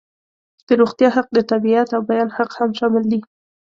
د روغتیا حق، د تابعیت او بیان حق هم شامل دي.